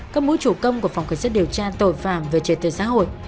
các mối chủ công của phòng khẩn sát điều tra tội phạm về trời tựa xã hội